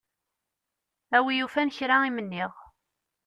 A wi yufan kra i m-nniɣ.